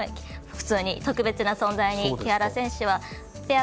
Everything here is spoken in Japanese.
普通に特別な存在に、木原選手は。